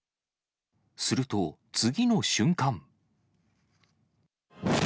すると、次の瞬間。